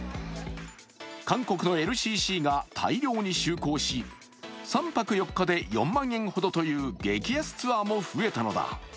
韓国のＬＣＣが大量に就航し、３泊４日で４万円ほどという激安ツアーも増えたのだ。